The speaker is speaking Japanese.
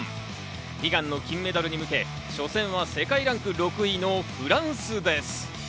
悲願の金メダルに向け初戦は世界ランク６位のフランスです。